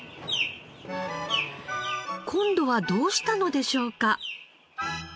今度はどうしたのでしょうか？